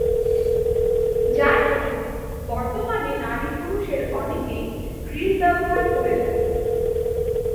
যাই হোক, বর্তমানে নারী-পুরষের অনেকেই গ্রিল ব্যবহার করে থাকে।